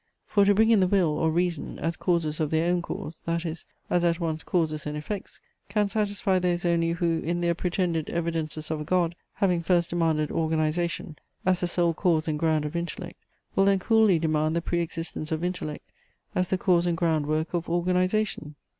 For to bring in the will, or reason, as causes of their own cause, that is, as at once causes and effects, can satisfy those only who, in their pretended evidences of a God, having first demanded organization, as the sole cause and ground of intellect, will then coolly demand the pre existence of intellect, as the cause and ground work of organization.